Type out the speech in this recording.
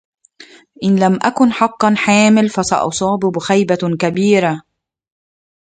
إن لم أكن حقا حامل، فسأصاب بخيبة كبيرة.